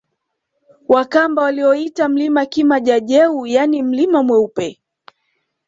Wakamba walioita mlima Kima jaJeu yaani mlima mweupe